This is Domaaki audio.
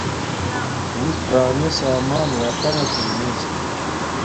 بوت پُرانے سامان راکانا تھݵ نے چھے